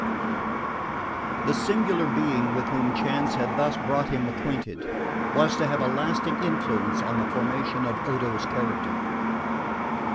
1.9. The singular being with whom chance had thus brought him acquainted was to have a lasting influence on the formation of Odo's character.